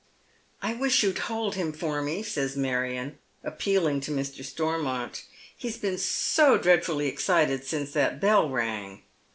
" I wish you'd hold him for me," says Marion, appealing to Mr. Stormont. " He's been eo dreadfully excited since that bell rang."